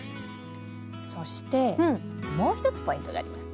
そしてもう一つポイントがあります。